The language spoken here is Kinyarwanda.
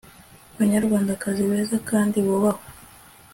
Banyarwandakazi beza kandi bubahwa